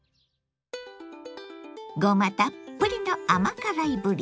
ごまたっぷりの甘辛いぶり。